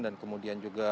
dan kemudian juga